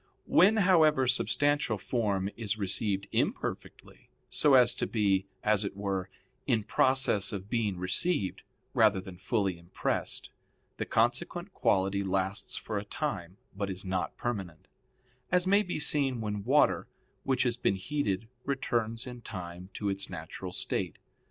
When, however, substantial form is received imperfectly, so as to be, as it were, in process of being received, rather than fully impressed, the consequent quality lasts for a time but is not permanent; as may be seen when water which has been heated returns in time to its natural state.